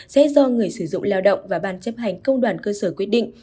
sẽ do người sử dụng lao động và ban chấp hành công đoàn cơ sở quyết định